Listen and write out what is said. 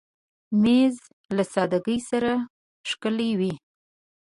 مېز له سادګۍ سره ښکلی وي.